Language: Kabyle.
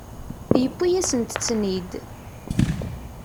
Yuwi-asent-ten-id.